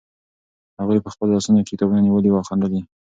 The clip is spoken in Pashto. هغوی په خپلو لاسونو کې کتابونه نیولي وو او خندل یې.